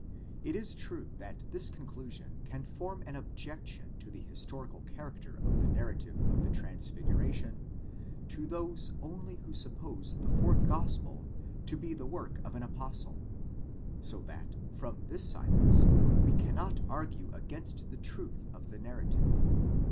* It is true that this conclusion can form an objection to the historical character of the narrative of the transfiguration, to those only who suppose the fourth gospel to be the work of an apostle; so that from this silence we cannot argue against the truth of the narrative.